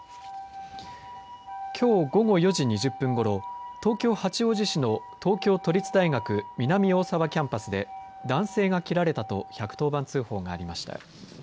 きょう午後４時２０分ごろ東京、八王子市の東京都立大学南大沢キャンパスで男性が切られたと１１０番通報がありました。